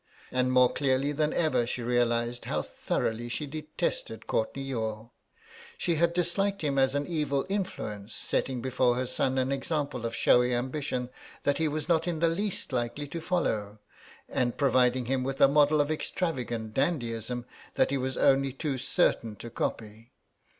And more clearly than ever she realised how thoroughly she detested Courtenay Youghal. She had disliked him as an evil influence, setting before her son an example of showy ambition that he was not in the least likely to follow, and providing him with a model of extravagant dandyism that he was only too certain to copy.